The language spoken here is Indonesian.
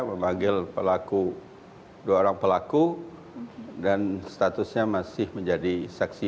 memanggil pelaku dua orang pelaku dan statusnya masih menjadi saksi